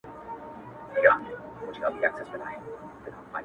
روغ زړه درواخله خدایه بیا یې کباب راکه ـ